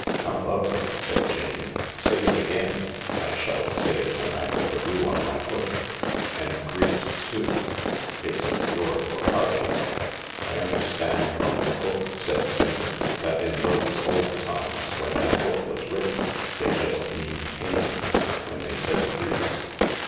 "" How lovely I " said Jane. " Say it again ! I shall say it when I put the rue on my foot. And 'griefs ' too ? It's a cure for heartache." "I understand from the book," said Simmons, "that in those old times when that book was written they just mean pains when they said griefs.